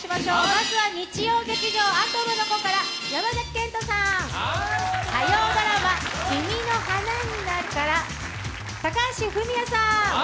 まずは日曜劇場「アトムの童」から山崎賢人さん、火曜ドラマ「君の花になる」から高橋文哉さん。